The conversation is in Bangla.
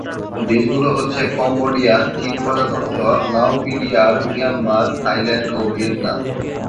দেশগুলো হচ্ছে কম্বোডিয়া, চীন প্রজাতন্ত্র, লাওপিডিআর, মিয়ানমার, থাইল্যান্ড ও ভিয়েতনাম।